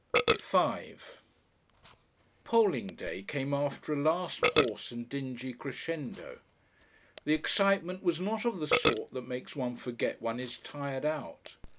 5 Polling day came after a last hoarse and dingy crescendo. The excitement was not of the sort that makes one forget one is tired out.